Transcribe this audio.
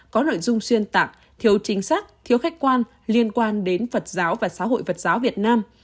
có nội dung xuyên tạc thiếu chính xác thiếu khách quan liên quan đến phật giáo và xã hội phật giáo việt nam